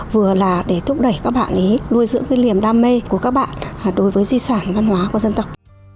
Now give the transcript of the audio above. vừa là để thúc đẩy các bạn lưu dưỡng cái liềm đam mê của các bạn đối với di sản văn hóa của dân tộc